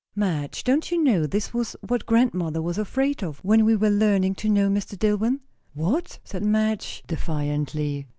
"Madge, don't you know this was what grandmother was afraid of, when we were learning to know Mr. Dillwyn?" "What?" said Madge defiantly.